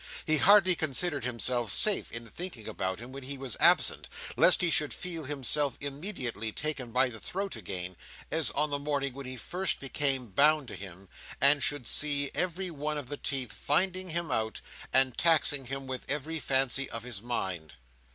He hardly considered himself safe in thinking about him when he was absent, lest he should feel himself immediately taken by the throat again, as on the morning when he first became bound to him, and should see every one of the teeth finding him out, and taxing him with every fancy of his mind.